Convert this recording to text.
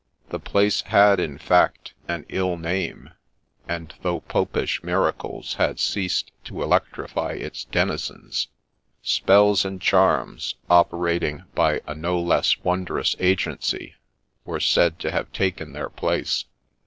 The place had, in fact, an ill name ; and, though Popish miracles had ceased to electrify its denizens, spells and charms, operating by a no less wondrous agency, were said to have taken their place.